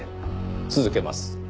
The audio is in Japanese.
続けます。